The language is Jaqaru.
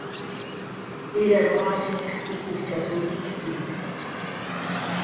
Tz'irar mishinhq ikichkasw ikki